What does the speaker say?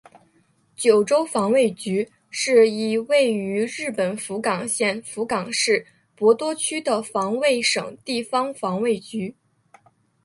九州防卫局是一位于日本福冈县福冈市博多区的防卫省地方防卫局。